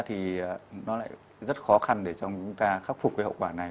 thì nó lại rất khó khăn để cho chúng ta khắc phục cái hậu quả này